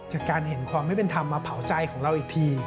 การเห็นความไม่เป็นธรรมมาเผาใจของเราอีกที